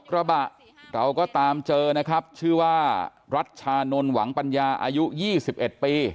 กระบะเราก็ตามเจอนะครับชื่อว่ารัชชานนท์หวังปัญญาอายุ๒๑ปี